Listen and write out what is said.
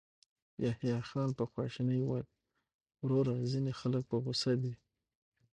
يحيی خان په خواشينۍ وويل: وروره، ځينې خلک په غوسه دي.